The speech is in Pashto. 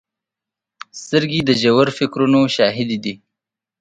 سترګې د ژور فکرونو شاهدې دي